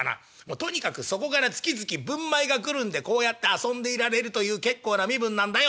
とにかくそこから月々分米が来るんでこうやって遊んでいられるという結構な身分なんだよ」。